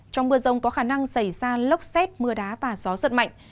trong mưa rông có khả năng xảy ra lốc xét mưa đá và gió giật mạnh